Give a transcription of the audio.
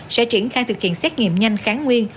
sẽ triển khai thực hiện xét nghiệm nhanh kháng nguyên